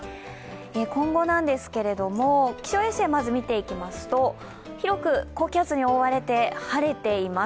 今後ですが、気象衛星を見ていきますと広く高気圧に覆われて晴れています。